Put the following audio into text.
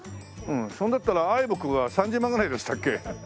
それだったらａｉｂｏ君は３０万ぐらいでしたっけ？